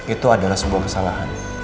itu adalah sebuah kesalahan